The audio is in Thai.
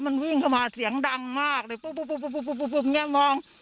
ก็มันวิ่งเข้ามาเสียงดังมากเลยบุพุบมง